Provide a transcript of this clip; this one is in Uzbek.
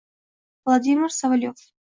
Vladimir Solovьyov